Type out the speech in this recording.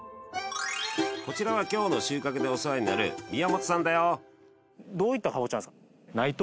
こちらは今日の収穫でお世話になる宮本さんだよ